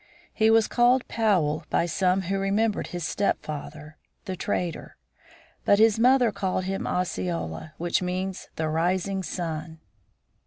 He was called Powell by some who remembered his stepfather, the trader. But his mother called him Osceola, which means the rising sun.